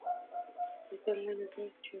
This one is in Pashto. آیا ته آنلاین ازموینې ته چمتو یې؟